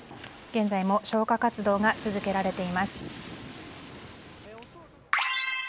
現在も消火活動が続けられています。